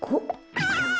ああ！